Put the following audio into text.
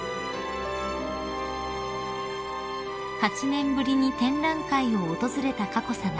［８年ぶりに展覧会を訪れた佳子さま］